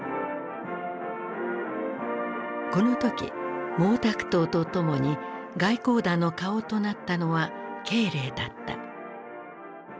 この時毛沢東と共に外交団の顔となったのは慶齢だった。